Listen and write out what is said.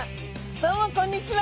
どうもこんにちは。